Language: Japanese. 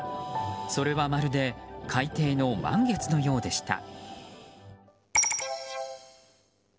それはまるで海底の満月のようでした。